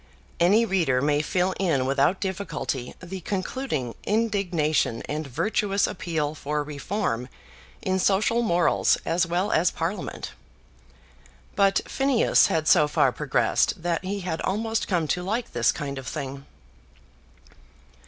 Any reader may fill in without difficulty the concluding indignation and virtuous appeal for reform in social morals as well as Parliament. But Phineas had so far progressed that he had almost come to like this kind of thing.